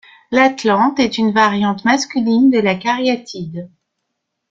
L’atlante est une variante masculine de la cariatide.